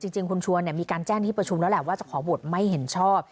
จริงคุณชวนมีการแจ้งที่ประชุมแล้วแหละว่าจะขอโหวตไม่เห็นชอบ